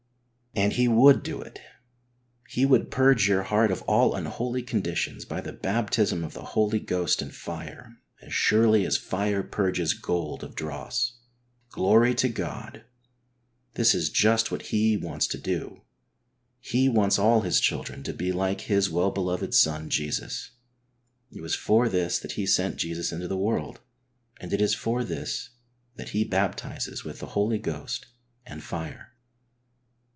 And He would do it. He would purge your heart of all unholy conditions by the baptism of the Holy Ghost and fire, as surely as fire purges gold of dross. Glory to God ! This is just what He wants to do. He wants all His children to be like His well beloved Son, Jesus. It was for this that He sent Jesus into the world, and it is for this that He baptises with the Holy Ghost and fire.